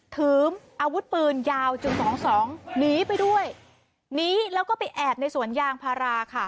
ถืออาวุธปืนยาวจุดสองสองหนีไปด้วยหนีแล้วก็ไปแอบในสวนยางพาราค่ะ